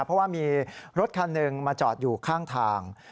เพราะว่ามีรถคันหนึ่งมาจอดอยู่ข้างทาง